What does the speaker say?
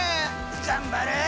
頑張れ！